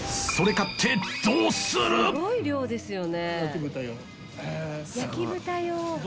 すごい量ですよね。